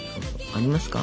ありますか？